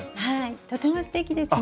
とてもすてきですね。